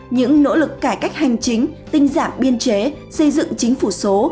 những nỗ lực cải cách hành chính tinh giản biên chế xây dựng chính phủ số